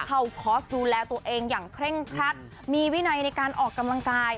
คอสดูแลตัวเองอย่างเคร่งครัดมีวินัยในการออกกำลังกาย